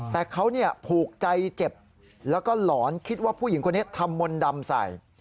แต่เขาผูกใจเจ็บแล้วก็หลอนคิดว่าผู้หญิงคนนี้ทำมนต์ดำใส่